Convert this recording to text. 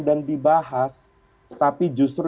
dan dibahas tapi justru